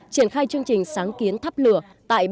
triển khai chương trình sáng kiến thắp lửa